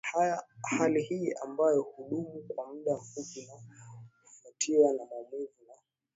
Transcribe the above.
Hali hii ambayo hudumu kwa muda mfupi tu hufuatiwa na maumivu na